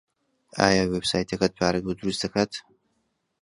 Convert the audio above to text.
ئایا وێبسایتەکەت پارەت بۆ دروست دەکات؟